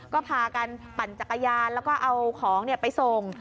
ก็พากันปั่นจักรยานแล้วก็เอาของไปส่ง